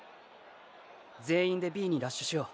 全員でＢにラッシュしよう。